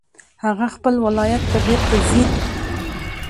هغه خپل ولایت ته بیرته ځي